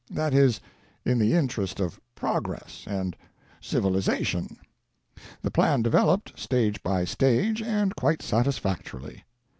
That is, in the interest of Progress and Civilization. The plan developed, stage by stage, and quite satisfactorily.